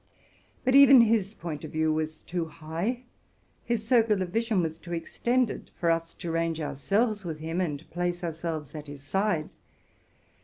But even his point of view was too high, his circle of vision was too extended, for us to range ourselves with him, and place ourselves at his side.